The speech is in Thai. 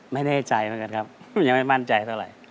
ไม่แน่ใจเหมือนกันครับยังไม่มั่นใจเท่าไหร่